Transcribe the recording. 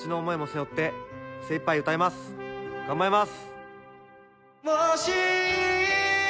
頑張ります！